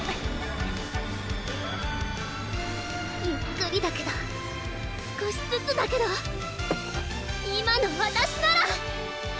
ゆっくりだけど少しずつだけどハァーッ！